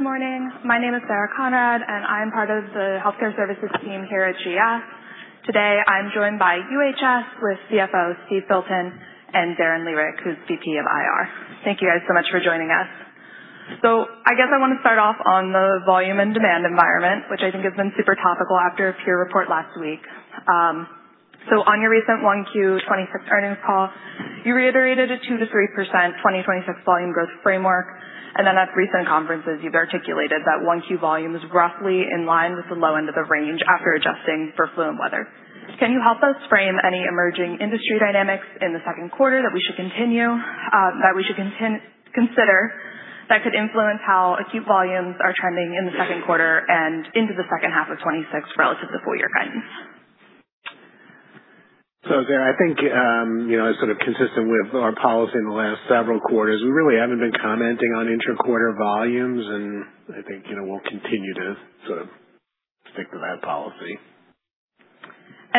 Good morning. My name is Sarah Conrad, and I'm part of the healthcare services team here at GS. Today, I'm joined by UHS with CFO Steve Filton and Darren Lehrich, who's VP of IR. Thank you guys so much for joining us. I guess I want to start off on the volume and demand environment, which I think has been super topical after a peer report last week. On your recent 1Q 2026 earnings call, you reiterated a 2%-3% 2026 volume growth framework. At recent conferences, you've articulated that 1Q volume is roughly in line with the low end of the range after adjusting for flu and weather. Can you help us frame any emerging industry dynamics in the second quarter that we should continue, that we should consider that could influence how Acute volumes are trending in the second quarter and into the second half of 2026 relative to full year guidance? Sarah, I think, sort of consistent with our policy in the last several quarters, we really haven't been commenting on inter-quarter volumes. I think we'll continue to sort of stick to that policy.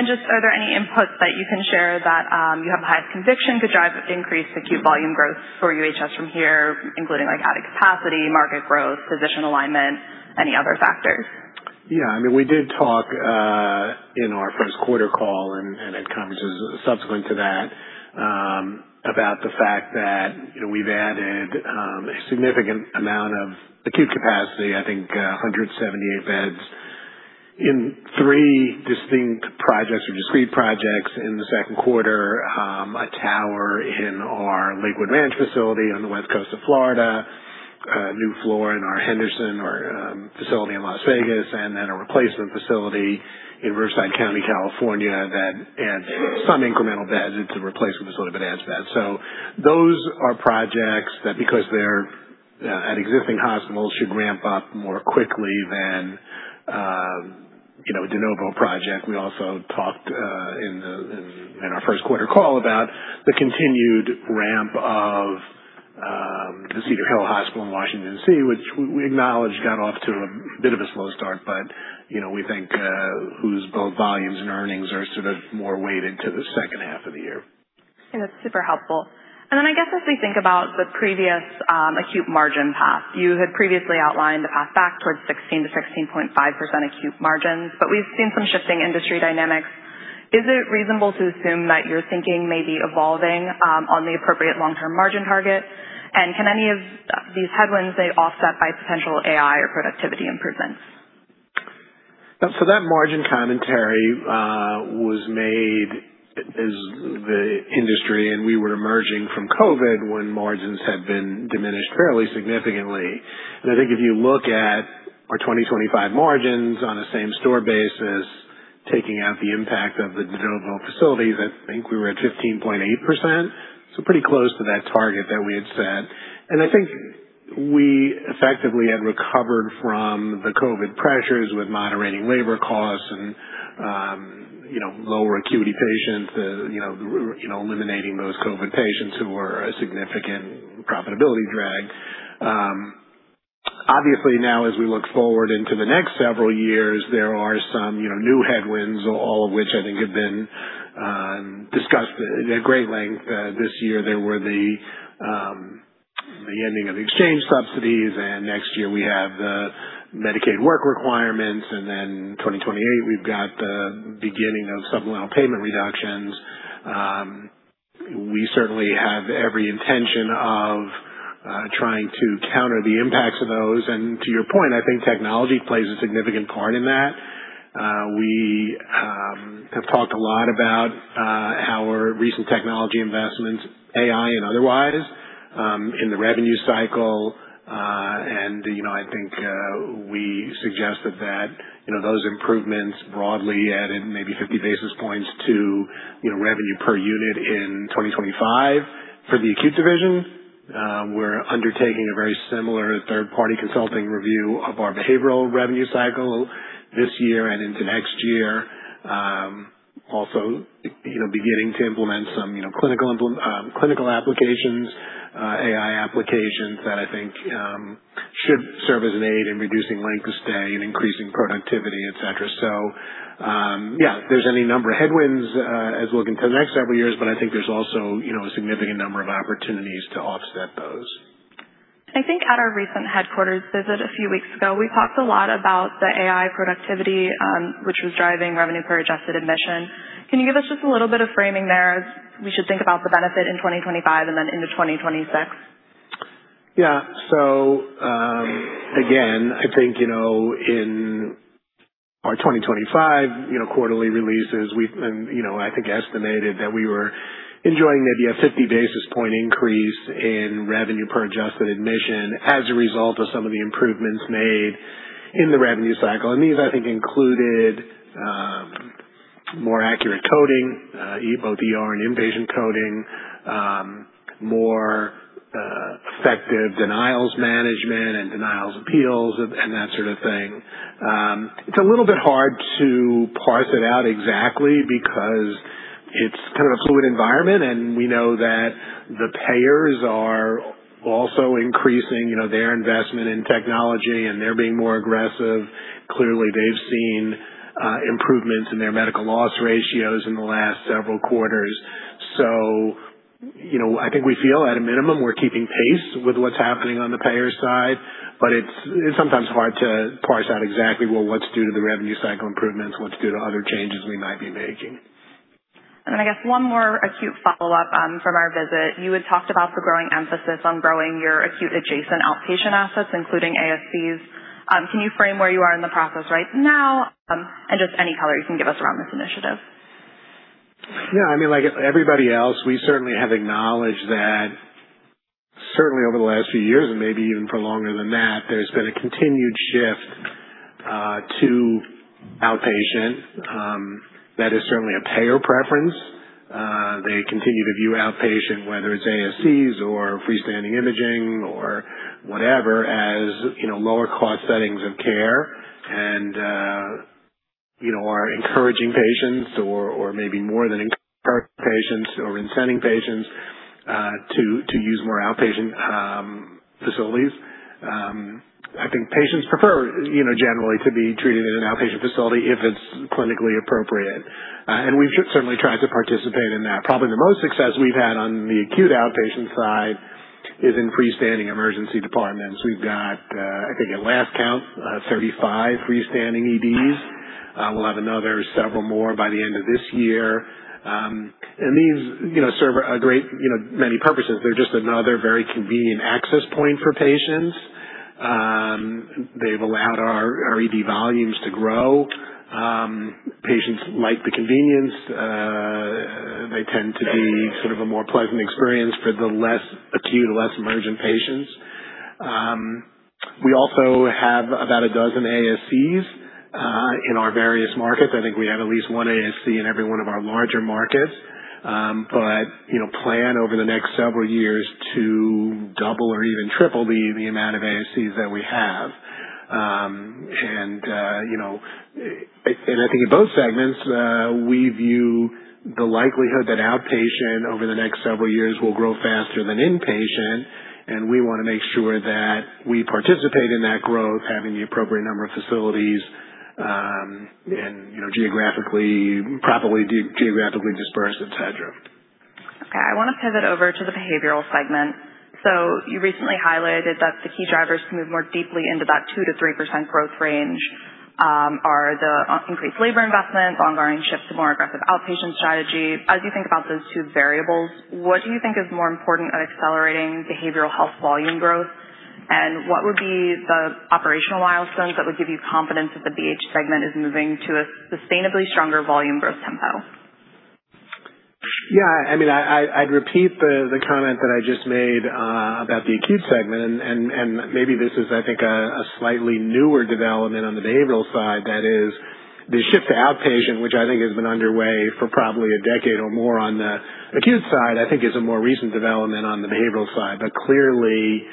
Just are there any inputs that you can share that you have highest conviction could drive increased Acute volume growth for UHS from here, including like adding capacity, market growth, position alignment, any other factors? I mean, we did talk, in our first quarter call and at conferences subsequent to that, about the fact that we've added, a significant amount of Acute capacity, I think, 178 beds in three distinct projects or discrete projects in the second quarter, a tower in our Lakewood Ranch facility on the West Coast of Florida, a new floor in our Henderson or facility in Las Vegas, and then a replacement facility in Riverside County, California, and some incremental beds. It's a replacement sort of. Those are projects that, because they're at existing hospitals, should ramp up more quickly than de novo project. We also talked in our first quarter call that the continued ramp of, the Cedar Hill Hospital in Washington, D.C., which we acknowledge got off to a bit of a slow start, but, you know, we think, whose both volumes and earnings are sort of more weighted to the second half of the year. That's super helpful. I guess as we think about the previous, Acute margin path, you had previously outlined a path back towards 16%-16.5% Acute margins, we've seen some shifting industry dynamics. Is it reasonable to assume that your thinking may be evolving on the appropriate long-term margin target? Can any of these headwinds be offset by potential AI or productivity improvements? That margin commentary was made as the industry, we were emerging from COVID when margins had been diminished fairly significantly. I think if you look at our 2025 margins on a same-store basis, taking out the impact of the de novo facilities, I think we were at 15.8%. Pretty close to that target that we had set. I think we effectively had recovered from the COVID pressures with moderating labor costs and lower acuity patients, eliminating those COVID patients who were a significant profitability drag. Obviously, now as we look forward into the next several years, there are some new headwinds, all of which I think have been discussed at great length. This year, there were the ending of exchange subsidies, next year we have the Medicaid work requirements, 2028, we've got the beginning of supplemental payment reductions. We certainly have every intention of trying to counter the impacts of those. To your point, I think technology plays a significant part in that. We have talked a lot about our recent technology investments, AI and otherwise, in the revenue cycle. I think we suggested that those improvements broadly added maybe 50 basis points to revenue per unit in 2025 for the Acute Division. We're undertaking a very similar third-party consulting review of our behavioral revenue cycle this year and into next year. Also beginning to implement some clinical applications, AI applications that I think should serve as an aid in reducing length of stay and increasing productivity, et cetera. Yeah, there's any number of headwinds, as looking to the next several years, but I think there's also a significant number of opportunities to offset those. I think at our recent headquarters visit a few weeks ago, we talked a lot about the AI productivity, which was driving revenue per adjusted admission. Can you give us just a little bit of framing there as we should think about the benefit in 2025 and then into 2026? Yeah. Again, I think, in our 2025 quarterly releases, we've been, I think, estimated that we were enjoying maybe a 50 basis point increase in revenue per adjusted admission as a result of some of the improvements made in the revenue cycle. These, I think, included more accurate coding, both ER and inpatient coding, more effective denials management and denials appeals and that sort of thing. It's a little bit hard to parse it out exactly because it's kind of a fluid environment, and we know that the payers are also increasing their investment in technology, and they're being more aggressive. Clearly, they've seen improvements in their medical loss ratios in the last several quarters. I think we feel at a minimum, we're keeping pace with what's happening on the payer side, but it's sometimes hard to parse out exactly what's due to the revenue cycle improvements, what's due to other changes we might be making. I guess one more Acute follow-up from our visit. You had talked about the growing emphasis on growing your Acute-adjacent outpatient office, including ASCs. Can you frame where you are in the process right now? Just any color you can give us around this initiative. Like everybody else, we certainly have acknowledged that certainly over the last few years and maybe even for longer than that, there's been a continued shift to outpatient. That is certainly a payer preference. They continue to view outpatient, whether it's ASCs or freestanding imaging or whatever, as lower cost settings of care and are encouraging patients or maybe more than encouraging patients or incenting patients, to use more outpatient facilities. I think patients prefer, generally, to be treated in an outpatient facility if it's clinically appropriate. We've certainly tried to participate in that. Probably the most success we've had on the Acute outpatient side is in freestanding emergency departments. We've got, I think at last count, 35 freestanding EDs. We'll have another several more by the end of this year. These serve a great many purposes. They're just another very convenient access point for patients. They've allowed our ED volumes to grow. Patients like the convenience. They tend to be sort of a more pleasant experience for the less Acute, less emergent patients. We also have about a dozen ASCs in our various markets. I think we have at least one ASC in every one of our larger markets. Plan over the next several years to double or even triple the amount of ASCs that we have. I think in both segments, we view the likelihood that outpatient over the next several years will grow faster than inpatient, and we want to make sure that we participate in that growth, having the appropriate number of facilities, properly geographically dispersed, et cetera. I want to pivot over to the Behavioral segment. You recently highlighted that the key drivers to move more deeply into that 2%-3% growth range are the increased labor investment, ongoing shift to more aggressive outpatient strategy. As you think about those two variables, what do you think is more important at accelerating Behavioral Health volume growth, what would be the operational milestones that would give you confidence that the BH segment is moving to a sustainably stronger volume growth tempo? Yeah. I'd repeat the comment that I just made about the Acute segment, and maybe this is, I think, a slightly newer development on the Behavioral side. That is, the shift to outpatient, which I think has been underway for probably 10 years or more on the Acute side, I think is a more recent development on the Behavioral side. Clearly,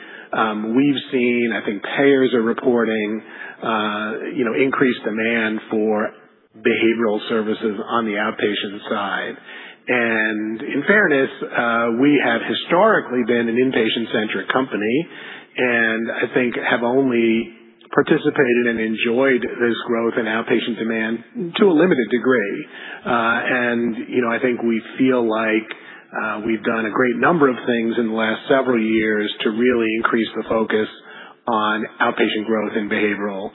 we've seen, I think payers are reporting increased demand for Behavioral services on the outpatient side. In fairness, we have historically been an inpatient-centric company, and I think have only participated and enjoyed this growth in outpatient demand to a limited degree. I think we feel like we've done a great number of things in the last several years to really increase the focus on outpatient growth in Behavioral.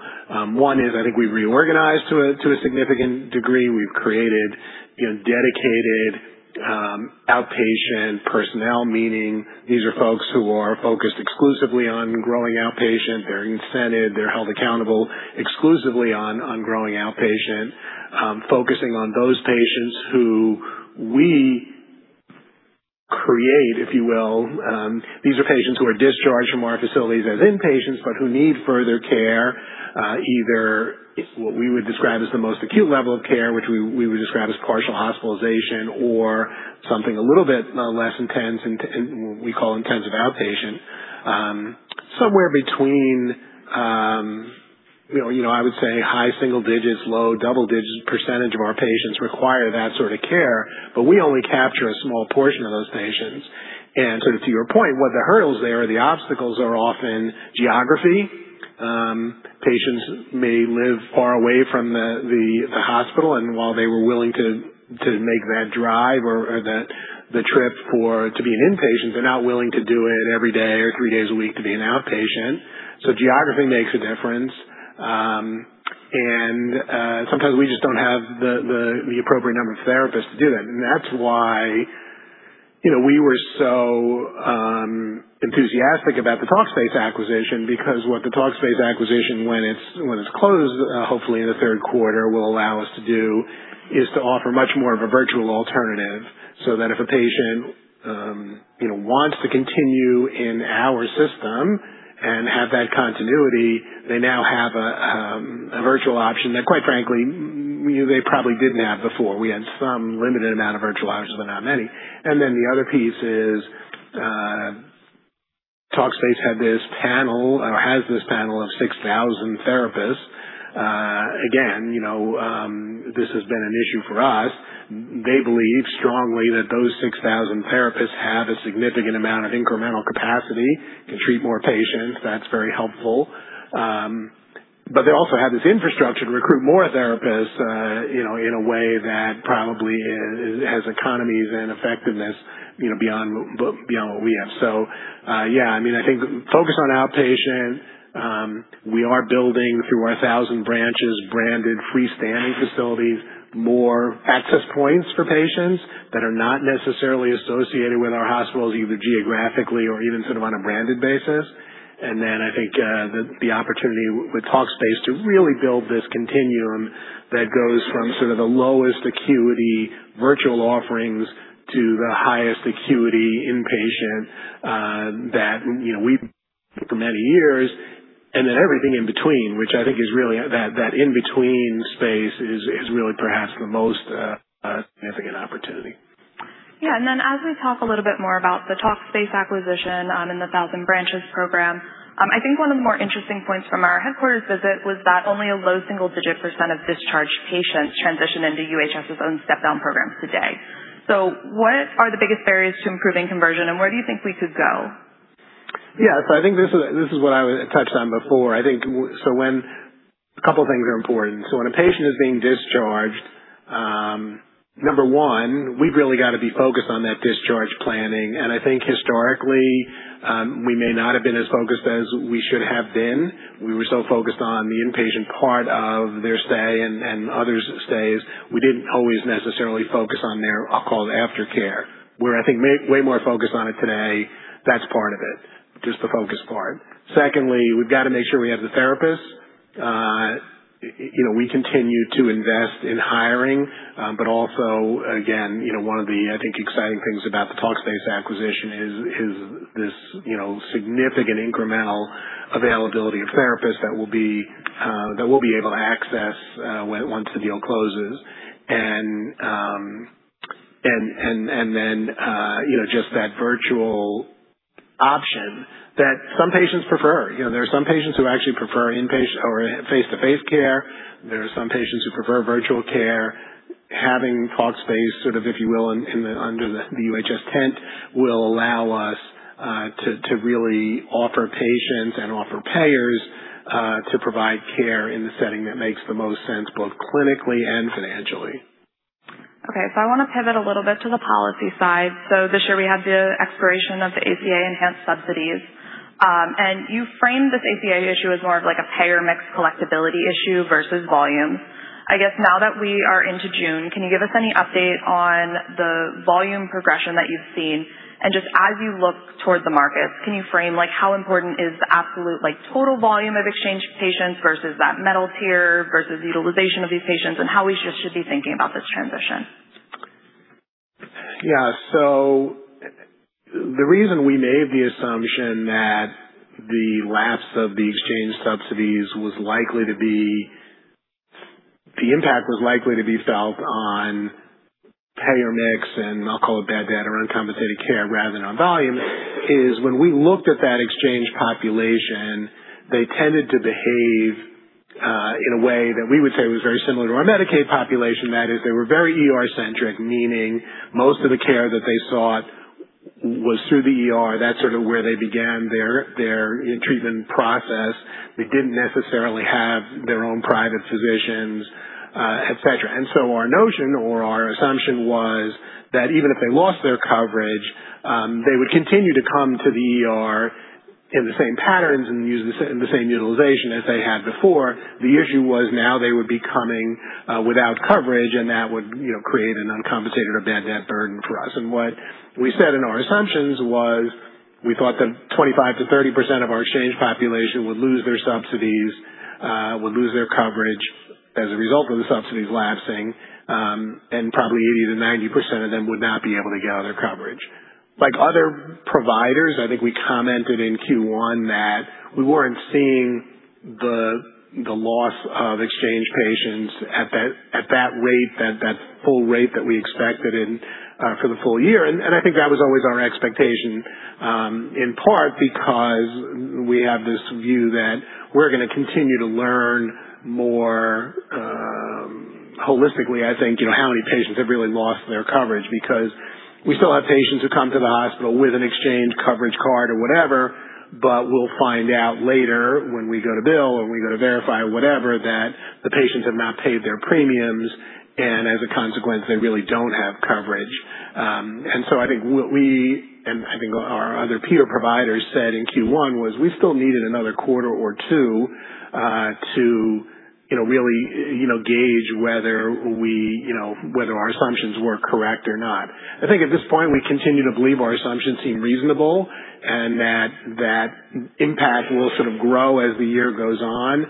One is, I think we've reorganized to a significant degree. We've created dedicated outpatient personnel, meaning these are folks who are focused exclusively on growing outpatient. They're incented, they're held accountable exclusively on growing outpatient, focusing on those patients who we create, if you will. These are patients who are discharged from our facilities as inpatients, but who need further care, either what we would describe as the most Acute level of care, which we would describe as partial hospitalization or something a little bit less intense and we call intensive outpatient. Somewhere between, I would say high single digits, low double digits, percentage of our patients require that sort of care, but we only capture a small portion of those patients. To your point, what the hurdles there, the obstacles are often geography. Patients may live far away from the hospital, and while they were willing to make that drive or the trip to be an inpatient, they're not willing to do it every day or three days a week to be an outpatient. Geography makes a difference. Sometimes we just don't have the appropriate number of therapists to do that. That's why we were so enthusiastic about the Talkspace acquisition, because what the Talkspace acquisition, when it's closed, hopefully in Q3, will allow us to do, is to offer much more of a virtual alternative, so that if a patient wants to continue in our system and have that continuity, they now have a virtual option that quite frankly, they probably didn't have before. We had some limited amount of virtual options, but not many. The other piece is, Talkspace had this panel or has this panel of 6,000 therapists. Again, this has been an issue for us. They believe strongly that those 6,000 therapists have a significant amount of incremental capacity to treat more patients. That's very helpful. But they also have this infrastructure to recruit more therapists in a way that probably has economies and effectiveness beyond what we have. Yeah, I think focus on outpatient. We are building, through our Thousand Branches branded freestanding facilities, more access points for patients that are not necessarily associated with our hospitals, either geographically or even sort of on a branded basis. I think the opportunity with Talkspace to really build this continuum that goes from sort of the lowest acuity virtual offerings to the highest acuity inpatient that we've for many years, everything in between, which I think is really that in-between space is really perhaps the most significant opportunity. As we talk a little bit more about the Talkspace acquisition and the Thousand Branches program, I think one of the more interesting points from our headquarters visit was that only a low single-digit percent of discharged patients transition into UHS's own step-down programs today. What are the biggest barriers to improving conversion, and where do you think we could go? I think this is what I touched on before. A couple of things are important. When a patient is being discharged, number one, we've really got to be focused on that discharge planning, and I think historically, we may not have been as focused as we should have been. We were so focused on the inpatient part of their stay and others' stays, we didn't always necessarily focus on their, I'll call it aftercare. We're, I think, way more focused on it today. That's part of it, just the focus part. Secondly, we've got to make sure we have the therapists. We continue to invest in hiring. Also, again, one of the, I think, exciting things about the Talkspace acquisition is this significant incremental availability of therapists that we'll be able to access once the deal closes. Just that virtual option that some patients prefer. There are some patients who actually prefer face-to-face care. There are some patients who prefer virtual care. Having Talkspace sort of, if you will, under the UHS tent, will allow us to really offer patients and offer payers to provide care in the setting that makes the most sense, both clinically and financially. Okay, I want to pivot a little bit to the policy side. This year, we have the expiration of the ACA enhanced subsidies. You framed this ACA issue as more of a payer mix collectibility issue versus volume. Now that we are into June, can you give us any update on the volume progression that you've seen? Just as you look towards the markets, can you frame how important is the absolute total volume of exchange patients versus that metal tier versus utilization of these patients, and how we should be thinking about this transition? The reason we made the assumption that the lapse of the exchange subsidies, the impact was likely to be felt on payer mix, and I'll call it bad debt or uncompensated care rather than on volume, is when we looked at that exchange population, they tended to behave in a way that we would say was very similar to our Medicaid population. That is, they were very ER-centric, meaning most of the care that they sought was through the ER. That's sort of where they began their treatment process. They didn't necessarily have their own private physicians, et cetera. Our notion or our assumption was that even if they lost their coverage, they would continue to come to the ER in the same patterns and use the same utilization as they had before. The issue was now they would be coming without coverage, and that would create an uncompensated or bad debt burden for us. What we said in our assumptions was we thought that 25%-30% of our exchange population would lose their subsidies, would lose their coverage as a result of the subsidies lapsing, and probably 80%-90% of them would not be able to get other coverage. Like other providers, I think we commented in Q1 that we weren't seeing the loss of exchange patients at that full rate that we expected for the full year. I think that was always our expectation, in part because we have this view that we're going to continue to learn more holistically, I think, how many patients have really lost their coverage because we still have patients who come to the hospital with an exchange coverage card or whatever, but we'll find out later when we go to bill or we go to verify or whatever, that the patients have not paid their premiums, and as a consequence, they really don't have coverage. I think what we and I think our other peer providers said in Q1 was we still needed another quarter or two to really gauge whether our assumptions were correct or not. I think at this point, we continue to believe our assumptions seem reasonable and that that impact will sort of grow as the year goes on.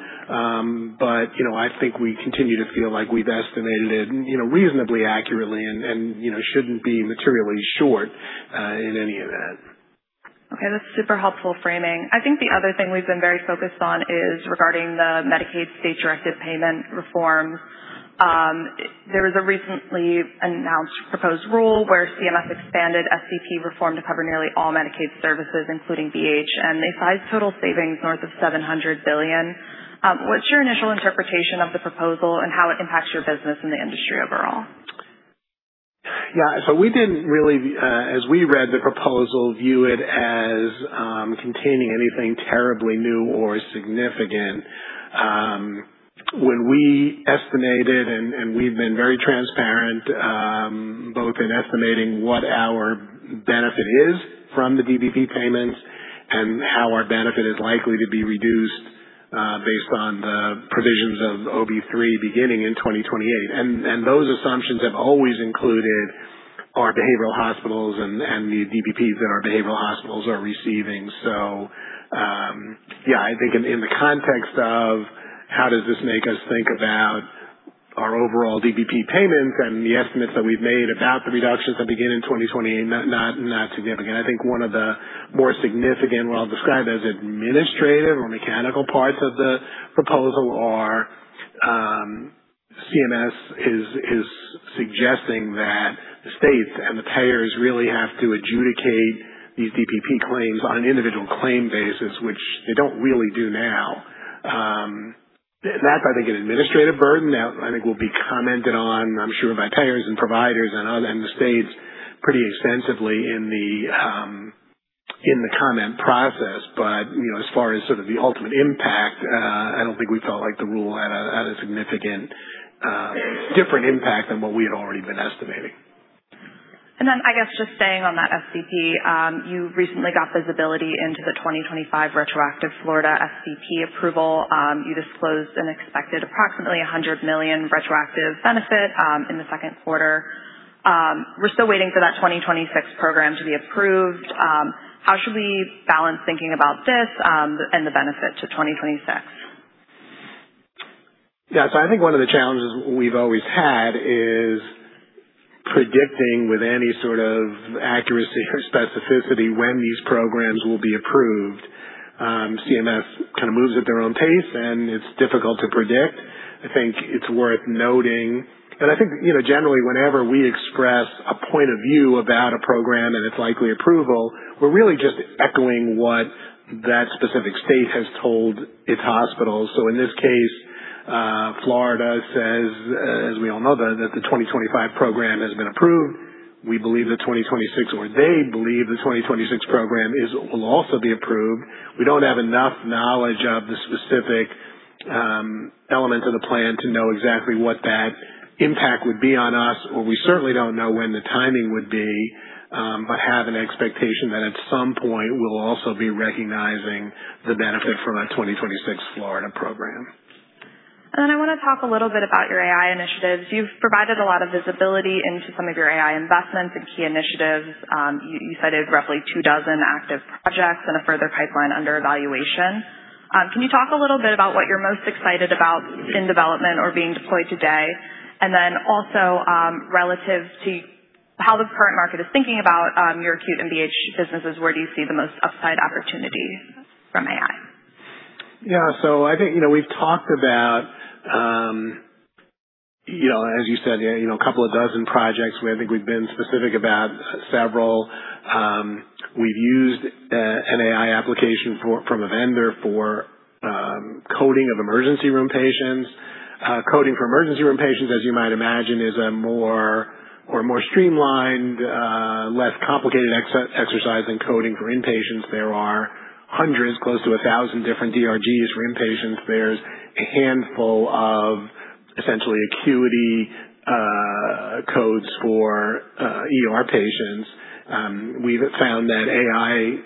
I think we continue to feel like we've estimated it reasonably accurately and shouldn't be materially short in any event. Okay, that's super helpful framing. I think the other thing we've been very focused on is regarding the Medicaid State Directed Payment reforms. There was a recently announced proposed rule where CMS expanded SDP reform to cover nearly all Medicaid services, including BH, and they cite total savings north of $700 billion. What's your initial interpretation of the proposal and how it impacts your business and the industry overall? Yeah. We didn't really, as we read the proposal, view it as containing anything terribly new or significant. When we estimated, and we've been very transparent, both in estimating what our benefit is from the DPP payments and how our benefit is likely to be reduced based on the provisions of OB3 beginning in 2028. Those assumptions have always included our Behavioral hospitals and the DPPs that our Behavioral hospitals are receiving. Yeah, I think in the context of how does this make us think about our overall DPP payments and the estimates that we've made about the reductions that begin in 2028, not significant. I think one of the more significant, what I'll describe as administrative or mechanical parts of the proposal are, CMS is suggesting that the states and the payers really have to adjudicate these DPP claims on an individual claim basis, which they don't really do now. That's, I think, an administrative burden that I think will be commented on, I'm sure, by payers and providers and the states pretty extensively in the comment process. As far as sort of the ultimate impact, I don't think we felt like the rule had a significant different impact than what we had already been estimating. Staying on that SDP, you recently got visibility into the 2025 retroactive Florida SDP approval. You disclosed an expected approximately $100 million retroactive benefit in the second quarter. We're still waiting for that 2026 program to be approved. How should we balance thinking about this and the benefit to 2026? I think one of the challenges we've always had is predicting with any sort of accuracy or specificity when these programs will be approved. CMS kind of moves at their own pace, and it's difficult to predict. I think it's worth noting, and I think, generally, whenever we express a point of view about a program and its likely approval, we're really just echoing what that specific state has told its hospitals. In this case, Florida says, as we all know, that the 2025 program has been approved. We believe the 2026, or they believe the 2026 program will also be approved. We don't have enough knowledge of the specific elements of the plan to know exactly what that impact would be on us, or we certainly don't know when the timing would be. Have an expectation that at some point, we'll also be recognizing the benefit from a 2026 Florida program. I want to talk a little bit about your AI initiatives. You've provided a lot of visibility into some of your AI investments and key initiatives. You cited roughly two dozen active projects and a further pipeline under evaluation. Can you talk a little bit about what you're most excited about in development or being deployed today? Also, relative to how the current market is thinking about your Acute and BH businesses, where do you see the most upside opportunity from AI? I think, we've talked about, as you said, a couple of dozen projects where I think we've been specific about several. We've used an AI application from a vendor for coding of emergency room patients. Coding for emergency room patients, as you might imagine, is a more streamlined, less complicated exercise in coding for inpatients. There are hundreds, close to 1,000 different DRGs for inpatients. There's a handful of essentially acuity codes for ER patients. We've found that AI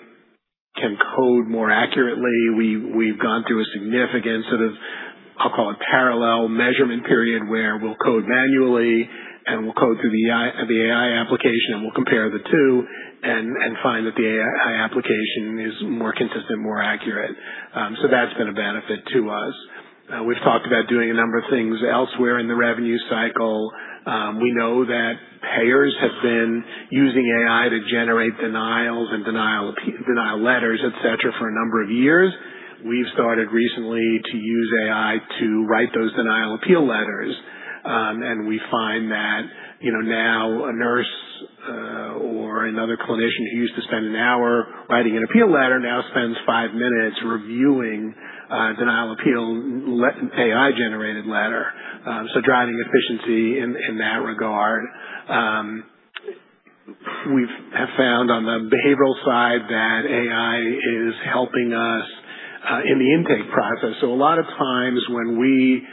can code more accurately. We've gone through a significant sort of, I'll call it parallel measurement period, where we'll code manually and we'll code through the AI application, and we'll compare the two and find that the AI application is more consistent, more accurate. That's been a benefit to us. We've talked about doing a number of things elsewhere in the revenue cycle. We know that payers have been using AI to generate denials and denial letters, et cetera, for a number of years. We've started recently to use AI to write those denial appeal letters. We find that, now a nurse, or another clinician who used to spend an hour writing an appeal letter now spends five minutes reviewing a denial appeal AI-generated letter. Driving efficiency in that regard. We have found on the Behavioral side that AI is helping us in the intake process. A lot of times when we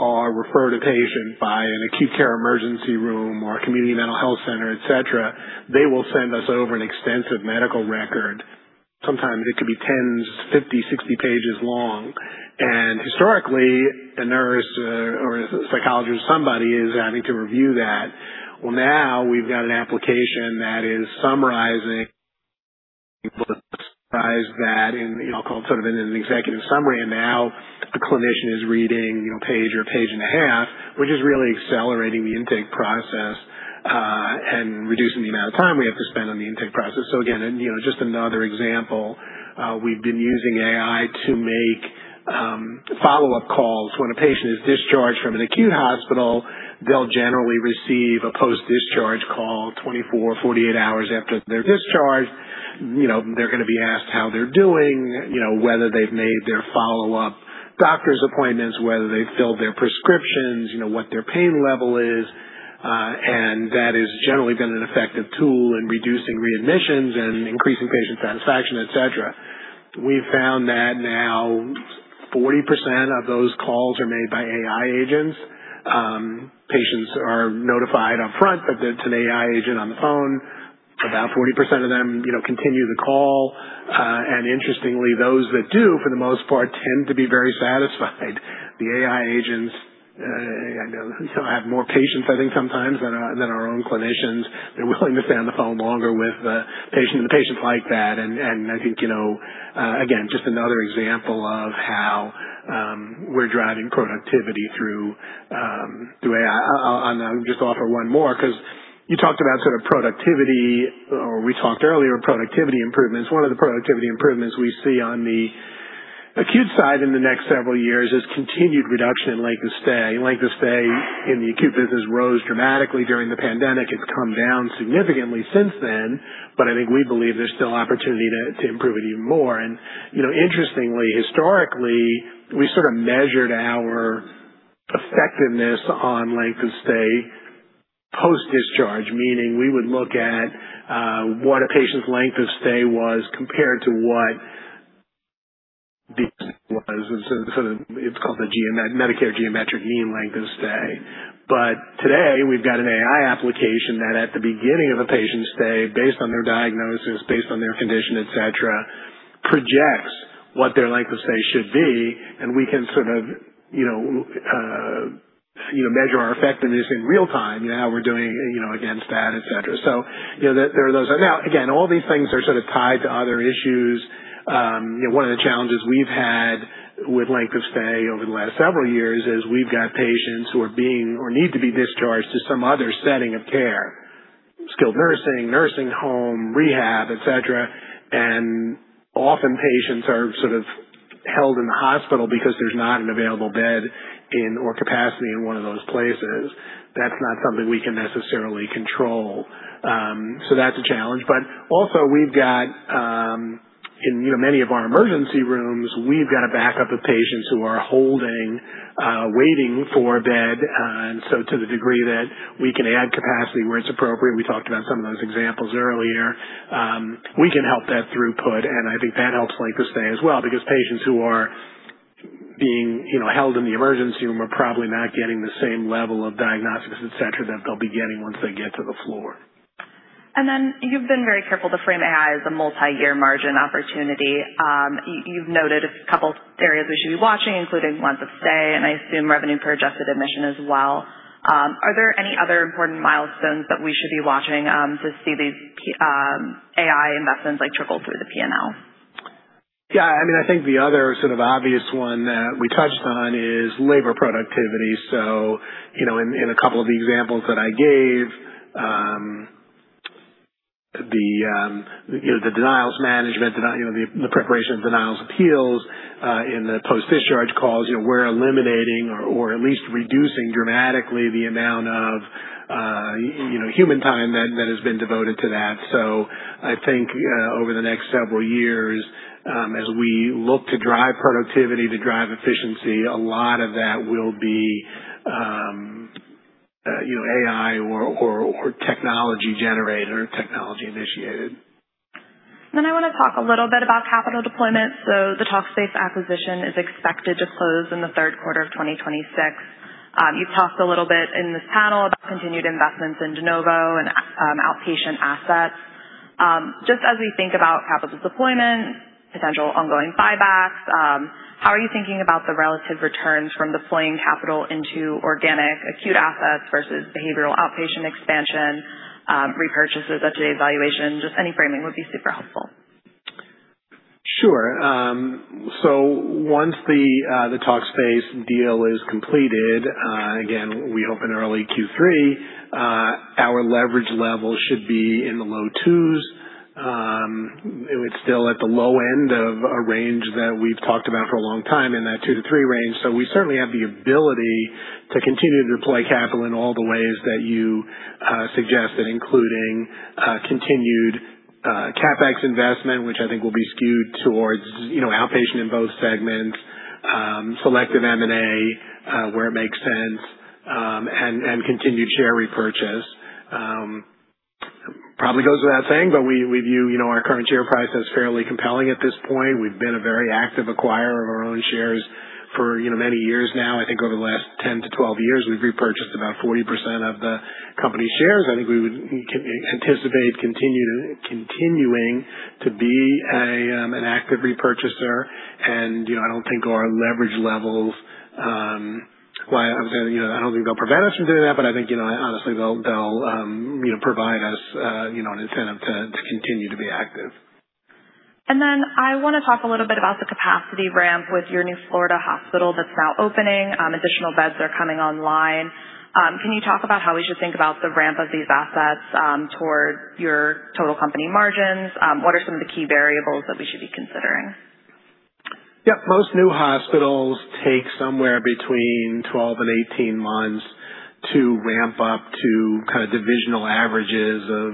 are referred a patient by an Acute care emergency room or a community mental health center, et cetera, they will send us over an extensive medical record. Sometimes it could be 10, 50, 60 pages long. Historically, a nurse or a psychologist, somebody is having to review that. Now we've got an application that is summarizing that in, I'll call it sort of in an executive summary. Now a clinician is reading a page or a page and a half, which is really accelerating the intake process, and reducing the amount of time we have to spend on the intake process. Again, just another example, we've been using AI to make follow-up calls. When a patient is discharged from an Acute hospital, they'll generally receive a post-discharge call 24, 48 hours after they're discharged. They're going to be asked how they're doing, whether they've made their follow-up doctor's appointments, whether they've filled their prescriptions, what their pain level is. That has generally been an effective tool in reducing readmissions and increasing patient satisfaction, et cetera. We've found that now 40% of those calls are made by AI agents. Patients are notified upfront that there's an AI agent on the phone. About 40% of them continue the call. Interestingly, those that do, for the most part, tend to be very satisfied. The AI agents have more patience, I think, sometimes, than our own clinicians. They're willing to stay on the phone longer with the patient, and the patients like that. I think, again, just another example of how we're driving productivity through AI. I'll just offer one more, because you talked about productivity, or we talked earlier, productivity improvements. One of the productivity improvements we see on the Acute side in the next several years is continued reduction in length of stay. Length of stay in the Acute business rose dramatically during the pandemic. It's come down significantly since then, but I think we believe there's still opportunity to improve it even more. Interestingly, historically, we sort of measured our effectiveness on length of stay post-discharge, meaning we would look at what a patient's length of stay was compared to what the was. It's called the Medicare Geometric Mean Length of Stay. Today, we've got an AI application that at the beginning of a patient stay, based on their diagnosis, based on their condition, et cetera, projects what their length of stay should be, and we can sort of measure our effectiveness in real time, how we're doing against that, et cetera. Again, all these things are sort of tied to other issues. One of the challenges we've had with length of stay over the last several years is we've got patients who are being or need to be discharged to some other setting of care, skilled nursing, nursing home, rehab, et cetera. Often patients are sort of held in the hospital because there's not an available bed in, or capacity in one of those places. That's not something we can necessarily control. That's a challenge. Also, in many of our emergency rooms, we've got a backup of patients who are holding, waiting for a bed. To the degree that we can add capacity where it's appropriate, we talked about some of those examples earlier, we can help that throughput, and I think that helps length of stay as well, because patients who are being held in the emergency room are probably not getting the same level of diagnostics, et cetera, that they'll be getting once they get to the floor. You've been very careful to frame AI as a multi-year margin opportunity. You've noted a couple areas we should be watching, including length of stay, and I assume revenue per adjusted admission as well. Are there any other important milestones that we should be watching to see these AI investments trickle through the P&L? Yeah, I think the other sort of obvious one that we touched on is labor productivity. In a couple of the examples that I gave, the denials management, the preparation of denials appeals in the post-discharge calls, we're eliminating or at least reducing dramatically the amount of human time that has been devoted to that. I think over the next several years, as we look to drive productivity, to drive efficiency, a lot of that will be AI or technology-generated or technology-initiated. I want to talk a little bit about capital deployment. The Talkspace acquisition is expected to close in the third quarter of 2026. You've talked a little bit in this panel about continued investments in de novo and outpatient assets. Just as we think about capital deployment, potential ongoing buybacks, how are you thinking about the relative returns from deploying capital into organic Acute assets versus Behavioral outpatient expansion, repurchases at today's valuation? Just any framing would be super helpful. Sure. Once the Talkspace deal is completed, again, we hope in early Q3, our leverage level should be in the low twos. It's still at the low end of a range that we've talked about for a long time, in that two to three range. We certainly have the ability to continue to deploy capital in all the ways that you suggested, including continued CapEx investment, which I think will be skewed towards outpatient in both segments, selective M&A, where it makes sense, and continued share repurchase. Probably goes without saying, but we view our current share price as fairly compelling at this point. We've been a very active acquirer of our own shares for many years now. I think over the last 10-12 years, we've repurchased about 40% of the company shares. I think we would anticipate continuing to be an active repurchaser, I don't think our leverage levels, I don't think they'll prevent us from doing that, but I think, honestly, they'll provide us an incentive to continue to be active. I want to talk a little bit about the capacity ramp with your new Florida hospital that's now opening. Additional beds are coming online. Can you talk about how we should think about the ramp of these assets towards your total company margins? What are some of the key variables that we should be considering? Yep. Most new hospitals take somewhere between 12 and 18 months to ramp up to divisional averages of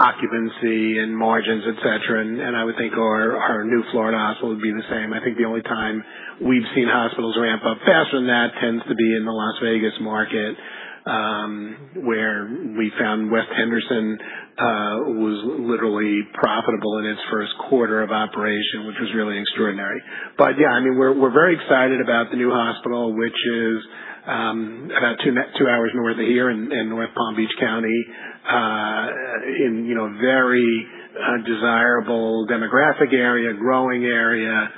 occupancy and margins, et cetera. I would think our new Florida hospital would be the same. I think the only time we've seen hospitals ramp up faster than that tends to be in the Las Vegas market, where we found West Henderson was literally profitable in its first quarter of operation, which was really extraordinary. Yeah, we're very excited about the new hospital, which is about two hours north of here in North Palm Beach County, in a very desirable demographic area, growing area,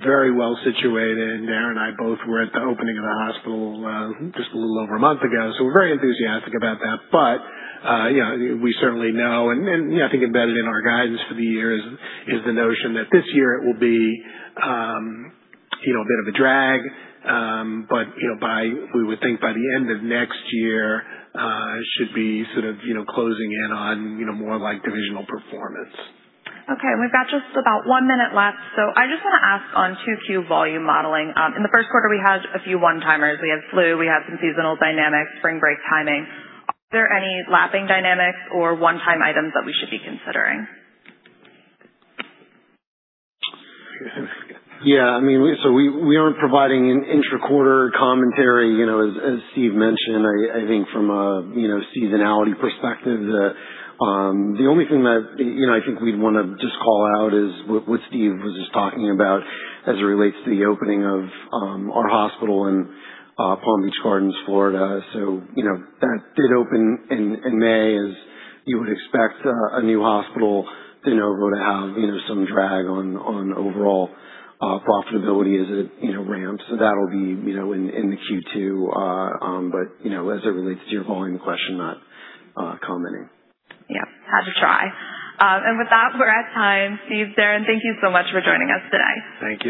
very well-situated. Darren and I both were at the opening of the hospital just a little over a month ago, so we're very enthusiastic about that. We certainly know, and I think embedded in our guidance for the year is the notion that this year it will be a bit of a drag. We would think by the end of next year, it should be closing in on more like divisional performance. Okay. We've got just about one minute left. I just want to ask on 2Q volume modeling. In the first quarter, we had a few one-timers. We had flu, we had some seasonal dynamics, spring break timing. Are there any lapping dynamics or one-time items that we should be considering? Yeah. We aren't providing inter-quarter commentary. As Steve mentioned, I think from a seasonality perspective, the only thing that I think we'd want to just call out is what Steve was just talking about as it relates to the opening of our hospital in Palm Beach Gardens, Florida. That did open in May. As you would expect a new hospital to have some drag on overall profitability as it ramps. That'll be in the Q2. As it relates to your volume question, not commenting. Yep. Had to try. With that, we're at time. Steve, Darren, thank you so much for joining us today. Thank you.